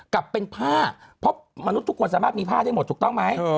กลับเป็นผ้าเพราะมนุษย์ทุกคนสามารถมีผ้าได้หมดถูกต้องไหม